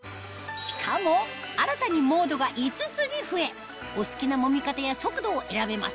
しかも新たにモードが５つに増えお好きなもみ方や速度を選べます